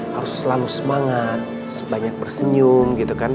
harus selalu semangat banyak bersenyum gitu kan